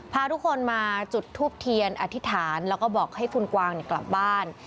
พาทุกคนมาจุดทูปเทียนอธิษฐานแล้วก็บอกให้คุณกวางกลับบ้าน